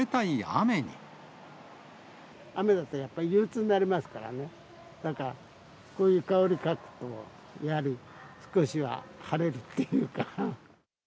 雨だと、やっぱり憂うつになりますからね、なんか、こういう香り嗅ぐと、やはり少しは晴れるっていうか。